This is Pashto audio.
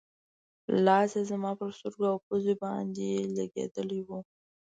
لاس یې زما پر سترګو او پوزې باندې لګېدلی و.